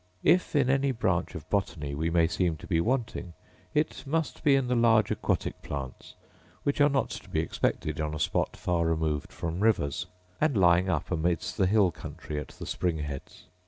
If in any branch of botany we may seem to be wanting, it must be in the large aquatic plants, which are not to be expected on a spot far removed from rivers, and lying up amidst the hill country at the spring heads.